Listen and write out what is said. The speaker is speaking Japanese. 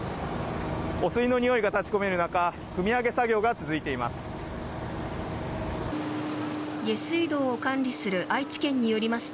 汚水のにおいが立ち込める中くみ上げ作業が続いています。